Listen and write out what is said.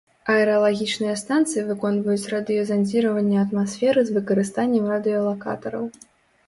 Аэралагічныя станцыі выконваюць радыёзандзіраванне атмасферы з выкарыстаннем радыёлакатараў.